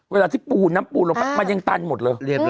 เวลาที่ปูนน้ำปูนลงไปมันยังตันหมดเลย